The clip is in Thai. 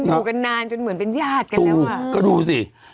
อยู่กันนานจนเหมือนเป็นญาติกันแล้วอ่ะก็ดูสิ